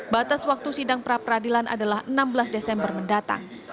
batas waktu sidang pra peradilan adalah enam belas desember mendatang